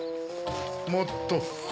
もっと。